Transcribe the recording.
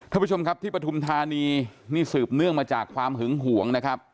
ท่านผู้ชมครับที่ปฐุมธานีนี่สืบเนื่องมาจากความหึงห่วงนะครับ